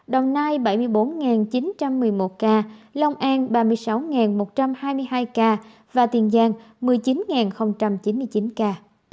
đồng nai bảy mươi bốn chín trăm một mươi một ca long an ba mươi sáu một trăm hai mươi hai ca và tiền giang một mươi chín chín mươi chín ca